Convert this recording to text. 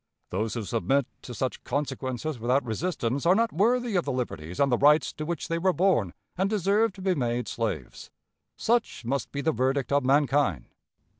Those who submit to such consequences without resistance are not worthy of the liberties and the rights to which they were born, and deserve to be made slaves. Such must be the verdict of mankind.